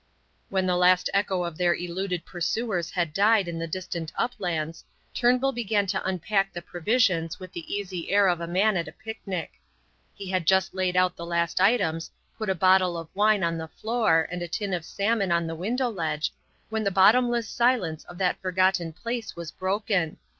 When the last echo of their eluded pursuers had died in the distant uplands, Turnbull began to unpack the provisions with the easy air of a man at a picnic. He had just laid out the last items, put a bottle of wine on the floor, and a tin of salmon on the window ledge, when the bottomless silence of that forgotten place was broken.